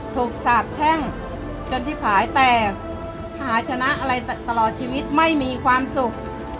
สาบแช่งจนที่ผายแต่หาชนะอะไรตลอดชีวิตไม่มีความสุข